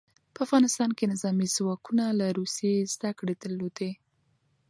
په افغانستان کې نظامي ځواکونه له روسیې زدکړې درلودې.